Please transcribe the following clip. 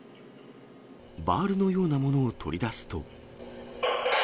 バールのようなものを取り出すと。